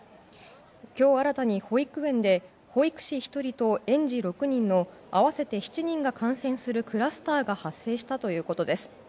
今日新たに保育園で保育士１人と園児６人の合わせて７人が感染するクラスターが発生したということです。